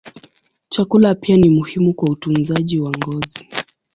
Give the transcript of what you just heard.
Chakula pia ni muhimu kwa utunzaji wa ngozi.